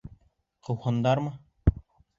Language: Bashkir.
Ҡыуһындармы?